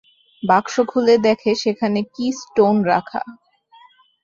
বাক্স খুলে দেখে সেখানে কি স্টোন রাখা।